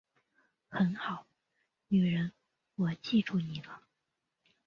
很好，女人我记住你了